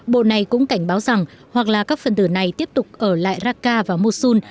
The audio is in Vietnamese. bộ này cũng cảnh báo rằng hoặc là các phần tử này tiếp tục ở lại raqqa và mosul